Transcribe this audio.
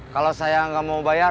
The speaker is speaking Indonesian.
kalau saya nggak mau bayar